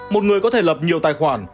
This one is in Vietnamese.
một người có thể lập nhiều tài khoản